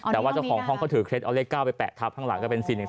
แต่ว่าเจ้าของห้องเขาถือเคล็ดเอาเลข๙ไปแปะทับข้างหลังก็เป็น๔๑